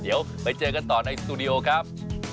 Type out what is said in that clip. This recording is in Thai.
เดี๋ยวไปเจอกันต่อในสตูดิโอครับ